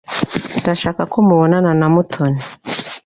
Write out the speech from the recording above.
Ndashaka ko mubonana na Mutoni.